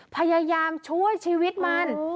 พยายามช่วยชีวิตมัน